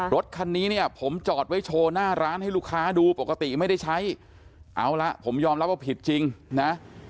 รถคันนี้เนี่ยผมจอดไว้โชว์หน้าร้านให้ลูกค้าดูปกติไม่ได้ใช้เอาละผมยอมรับว่าผิดจริงนะ